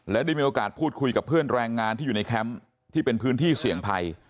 และได้มีโอกาสพูดคุยกับเพื่อนแรงงานที่อยู่ในแคมป์ที่เป็นพื้นที่เสี่ยงภัย